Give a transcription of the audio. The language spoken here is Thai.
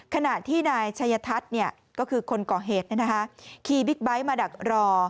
ขณะที่นายชัยทัศน์ก็คือคนก่อเหตุขี่บิ๊กไบท์มาดักรอ